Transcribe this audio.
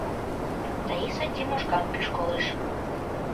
— Таиса Тимошкам пӱшкылеш.